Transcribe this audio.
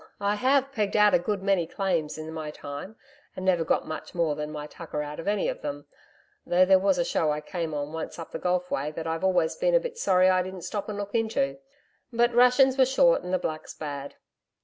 I have pegged out a good many claims in my time and never got much more than my tucker out of any of them though there was a show I came on once up the Gulf way that I've always been a bit sorry I didn't stop and look into. But rations were short and the Blacks bad....